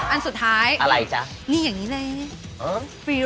อันสุดท้ายอย่างนี้เลย